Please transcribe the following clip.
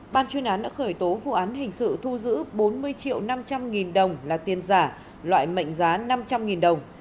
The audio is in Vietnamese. ban chuyên án đã khởi tố vụ án hình sự thu giữ bốn mươi triệu năm trăm linh nghìn đồng là tiền giả loại mệnh giá năm trăm linh nghìn đồng